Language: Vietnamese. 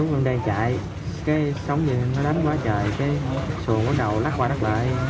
lúc mình đang chạy cái sóng gì nó đánh qua trời cái xuồng của đầu lắc qua đất lại